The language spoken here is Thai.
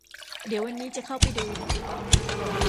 เดี๋ยววันนี้จะเข้าไปดู